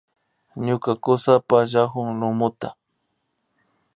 Ñuka kusa pallakun lumuta